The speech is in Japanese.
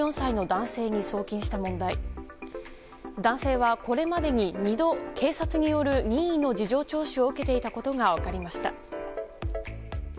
男性はこれまでに２度警察による任意の事情聴取を受けていたことが分かりました。